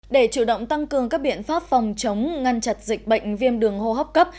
để chủ động tăng cường các biện pháp phòng chống ngăn chặt dịch bệnh viêm đường hô hấp cấp